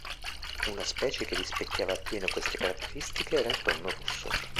Una specie che rispecchiava a pieno queste caratteristiche era il tonno rosso.